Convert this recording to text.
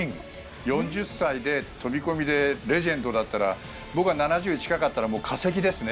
４０歳で飛込でレジェンドだったら僕は７０近かったら化石ですね。